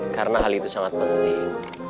karena hal itu sangat penting